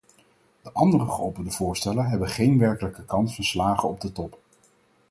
De andere geopperde voorstellen hebben geen werkelijke kans van slagen op de top.